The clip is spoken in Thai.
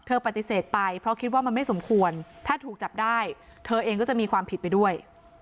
ปฏิเสธไปเพราะคิดว่ามันไม่สมควรถ้าถูกจับได้เธอเองก็จะมีความผิดไปด้วย